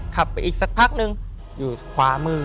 ขับไปอีกสักพักนึงอยู่ขวามือ